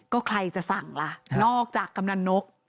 ก็ใครจะสั่งล่ะนอกจากกำนันนก